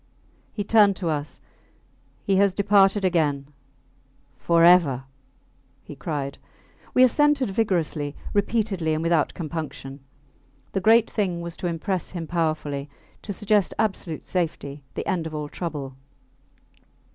He turned to us. He has departed again forever! he cried. We assented vigorously, repeatedly, and without compunction. The great thing was to impress him powerfully; to suggest absolute safety the end of all trouble.